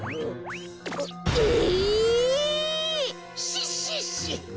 シッシッシもも